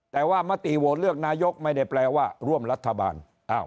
แต่ว่ามติโหวตเลือกนายกไม่ได้แปลว่าร่วมรัฐบาล